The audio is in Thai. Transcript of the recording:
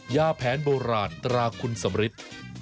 ยาแผนโบราณตราคุณสำริท